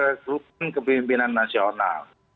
resruten kepemimpinan nasional